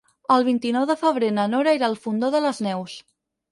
El vint-i-nou de febrer na Nora irà al Fondó de les Neus.